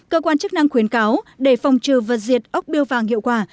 cơ quan chức năng khuyến cáo để phòng trừ vật diệt ốc biêu vàng hiệu quả